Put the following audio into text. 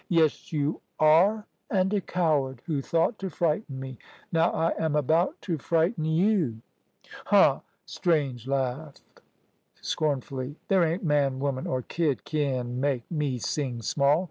"Yes, you are, and a coward, who thought to frighten me. Now I am about to frighten you." "Huh!" Strange laughed scornfully. "There ain't man, woman, or kid kin make me sing small.